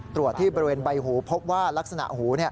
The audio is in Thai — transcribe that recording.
ตรวจที่บริเวณใบหูพบว่ารักษณะหู